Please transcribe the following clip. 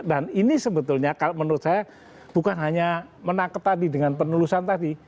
dan ini sebetulnya kalau menurut saya bukan hanya menangkap tadi dengan penelusan tadi